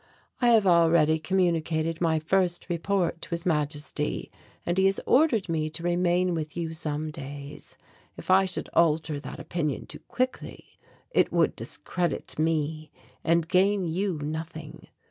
I have already communicated my first report to His Majesty and he has ordered me to remain with you for some days. If I should alter that opinion too quickly it would discredit me and gain you nothing.